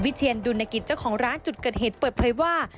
วิทยานดุลนักศิลป์เจ้าของร้านจุดเกิดเหตุเปิดเพลยว่า